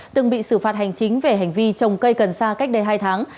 từng bị xử phạt hành chính về hành vi trồng cây cần sa cách đây hai tháng